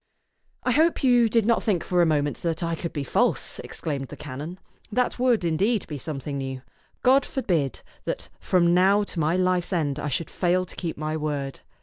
" I hope you did not think for a moment that I could be false !" exclaimed the canon. " That would, indeed, be something new. God forbid that from now to my life's end I should fail to keep my word.